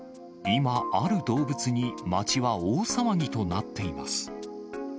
今、ある動物に町は大騒ぎとなっています。